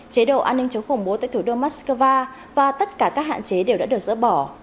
chế độ an ninh chống khủng bố tại thủ đô moscow và tất cả các hạn chế đều đã được dỡ bỏ